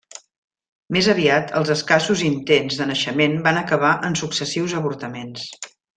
Més aviat, els escassos intents de naixement van acabar en successius avortaments.